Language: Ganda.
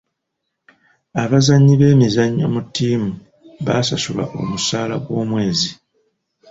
Abazannyi b'emizannyo mu ttiimu basasulwa omusaala gw'omwezi.